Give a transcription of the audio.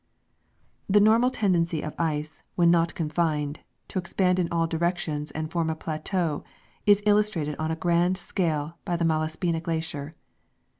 * The normal tendency of ice, when not confined, to expand in all directions and form a plateau is illustrated on a grand scale by the Malaspina glacier.